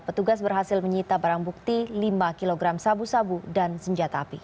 petugas berhasil menyita barang bukti lima kg sabu sabu dan senjata api